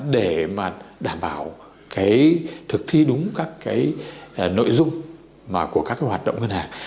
để đảm bảo thực thi đúng các nội dung của các hoạt động ngân hàng